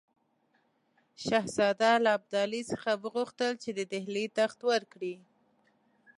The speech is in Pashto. شهزاده له ابدالي څخه وغوښتل چې د ډهلي تخت ورکړي.